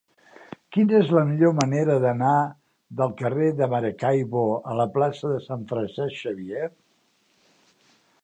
Quina és la millor manera d'anar del carrer de Maracaibo a la plaça de Sant Francesc Xavier?